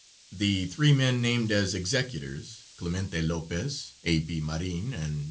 The three men named as executors Clemente Lopez, A. P. Marin, and V.